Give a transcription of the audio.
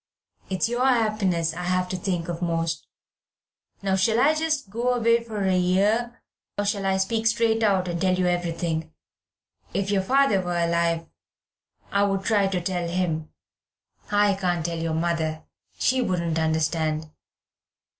It's your happiness I have to think of most. Now shall I just go away for a year, or shall I speak straight out and tell you everything? If your father were alive I would try to tell him; I can't tell your mother, she wouldn't understand.